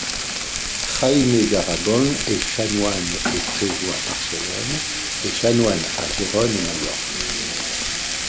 Jaime d'Aragon est chanoine et prévôt à Barcelone et chanoine à Gérone et Majorque.